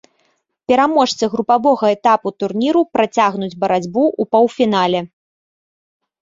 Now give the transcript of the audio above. Пераможцы групавога этапу турніру працягнуць барацьбу ў паўфінале.